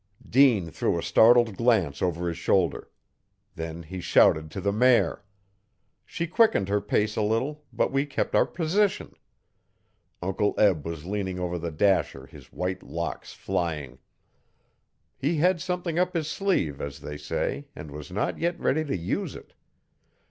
Dean threw a startled glance over his shoulder. Then he shouted to the mare. She quickened her pace a little but we kept our position. Uncle Eb was leaning over the dasher his white locks flying. He had something up his sleeve, as they say, and was not yet ready to use it.